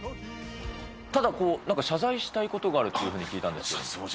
ただ、なんか謝罪したいことがあるというふうに聞いたんですけど。